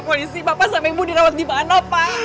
pak polisi bapak sama ibu dirawat di mana pak